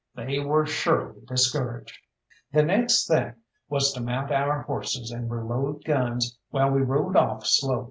They were surely discouraged. The next thing was to mount our horses and reload guns while we rode off slow.